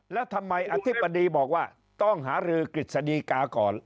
แล้วทำไมอธิบดีบอกว่าต้องหารือกฤษฎีกาก่อน